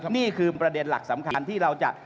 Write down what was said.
นี่คือประเด็นหลักสำคัญที่เราจะ